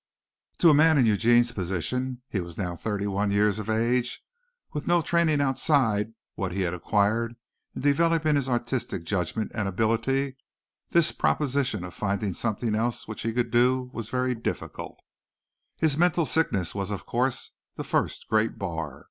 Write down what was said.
To a man in Eugene's position he was now thirty one years of age, with no training outside what he had acquired in developing his artistic judgment and ability this proposition of finding something else which he could do was very difficult. His mental sickness was, of course, the first great bar.